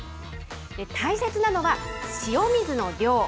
大切なのは、塩水の量。